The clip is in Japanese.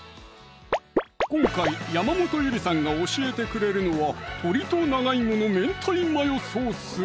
今回山本ゆりさんが教えてくれるのは「鶏と長芋の明太マヨソース」